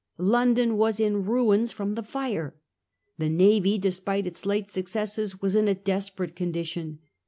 London was in ruins uary 1667. from the Fire. The navy, despite its late suc cesses, was in a desperate condition.